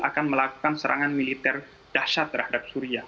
akan melakukan serangan militer dahsyat terhadap syria